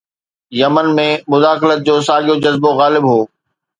Yemen ۾ مداخلت جو ساڳيو جذبو غالب هو.